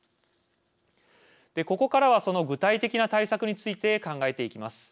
ここからはその具体的な対策について考えていきます。